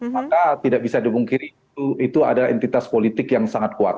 maka tidak bisa dibungkiri itu adalah entitas politik yang sangat kuat